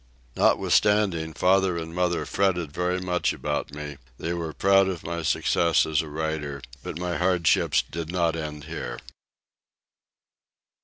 Notwithstanding father and mother fretted very much about me, they were proud of my success as a rider, but my hardships did not end here.